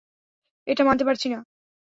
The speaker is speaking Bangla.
এটা মানতে পারছি না।